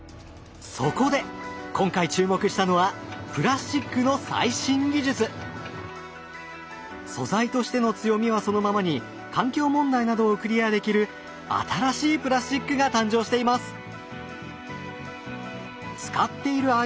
そこで今回注目したのはプラスチックの素材としての強みはそのままに環境問題などをクリアできる新しいプラスチックが誕生しています！